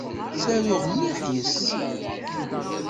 Ttaruɣ mliḥ yes-s.